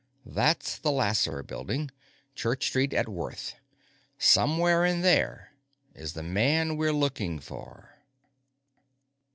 "That's the Lasser Building Church Street at Worth. Somewhere in there is the man we're looking for."